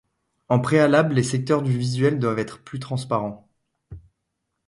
En préalable, les secteurs du visuel doivent être plus transparents.